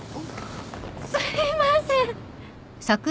・すいません！